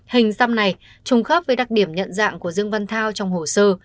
hình xăm này trùng khớp với đặc điểm nhận dạng của dương văn thao trong hồ sơ